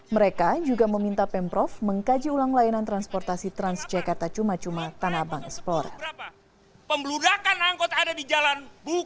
mereka juga meminta pemprov mengkaji ulang layanan transportasi trans jakarta cuma cuma tanah abang esploran